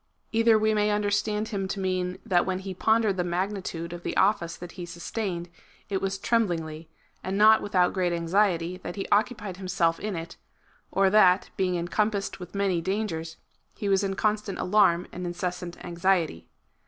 Either we may understand him to mean, that when he pondered the magnitude of the oflSce that he sustained, it was tremblingly, and not without great anxiety, that he occupied himself in it ; or that, being encompassed with many dangers, he was in constant alarm and incessant anxiety.